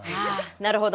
なるほど。